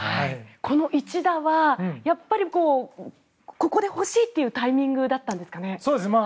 この一打は、やっぱりここで欲しいというタイミングでしたか。